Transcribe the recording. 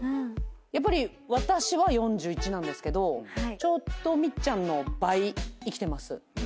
やっぱり私は４１なんですけどちょうどみっちゃんの倍生きてます。